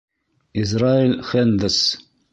ИЗРАЭЛЬ ХЭНДС